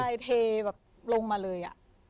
เทแบบลงมาเลย